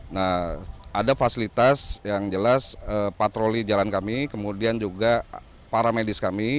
nah ada fasilitas yang jelas patroli jalan kami kemudian juga para medis kami